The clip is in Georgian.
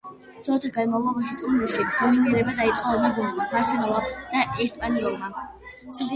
დროთა განმავლობაში ტურნირში დომინირება დაიწყო ორმა გუნდმა: „ბარსელონამ“ და „ესპანიოლმა“.